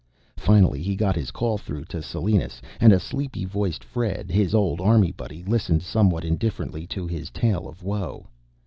Finally, he got his call through to Salinas, and a sleepy voiced Fred, his old Army buddy, listened somewhat indifferently to his tale of woe.